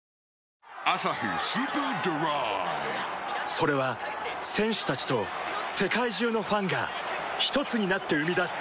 それは選手たちと世界中のファンがひとつになって生み出す